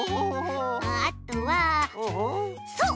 あとはそう！